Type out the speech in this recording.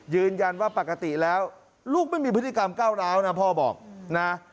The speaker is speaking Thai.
ยืนยันว่าปกติแล้วลูกไม่มีพฤติกรรมก้าวร้าวนะพ่อบอกนะ